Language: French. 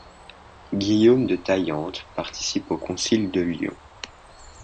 Guillaume de Taillante participe au concile de Lyon.